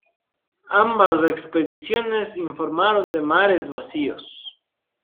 Ambas expediciones informaron de mares vacíos.